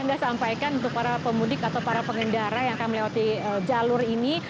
anda sampaikan untuk para pemudik atau para pengendara yang akan melewati jalur ini